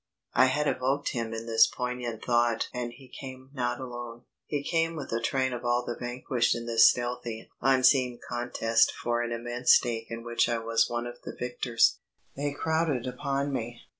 I had evoked him in this poignant thought and he came not alone. He came with a train of all the vanquished in this stealthy, unseen contest for an immense stake in which I was one of the victors. They crowded upon me.